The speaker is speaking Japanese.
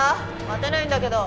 待てないんだけど。